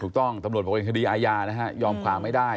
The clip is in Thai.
ถูกต้องตำรวจปกติคดีอายานะฮะยอมความไม่ได้